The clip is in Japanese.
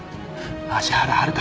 芦原遥香。